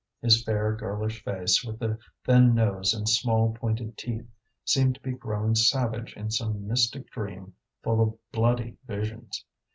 His fair girlish face, with the thin nose and small pointed teeth, seemed to be growing savage in some mystic dream full of bloody visions.